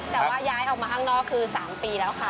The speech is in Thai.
แต่ว่าย้ายออกมาข้างนอกคือ๓ปีแล้วค่ะ